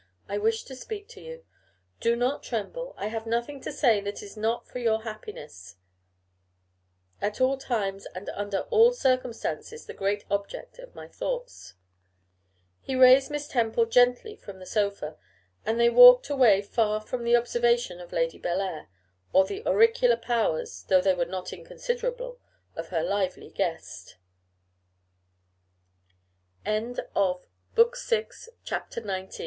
I wish to speak to you. Do not tremble. I have nothing to say that is not for your happiness; at all times, and under all circumstances, the great object of my thoughts.' He raised Miss Temple gently from the sofa, and they walked away far from the observation of Lady Bellair, or the auricular powers, though they were